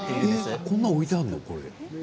こんなものが置いてあるの？